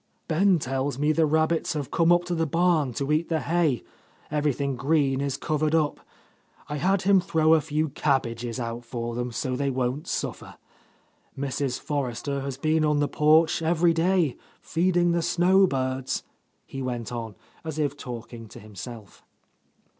"Ben tells me the rabbits have come up to the barn to eat the hay, everything green is covered up. I had him throw a few cab bages out for them, so they won't suffer. Mrs. Forrester has been on the porch every day, feed ing the snow birds," he went on, as if talking to himself.